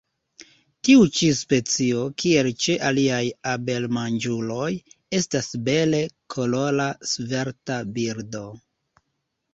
Tiu ĉi specio, kiel ĉe aliaj abelmanĝuloj, estas bele kolora, svelta birdo.